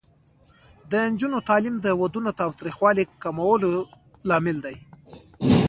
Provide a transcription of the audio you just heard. د نجونو تعلیم د ودونو تاوتریخوالي کمولو لامل دی.